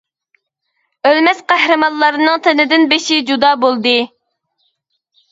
ئۆلمەس قەھرىمانلارنىڭ تىنىدىن بېشى جۇدا بولدى.